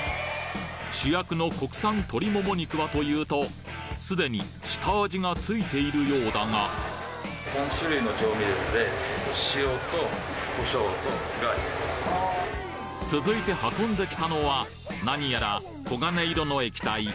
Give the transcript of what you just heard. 主役の国産鳥もも肉はというとすでに下味がついているようだが続いて運んできたのは何やら黄金色の液体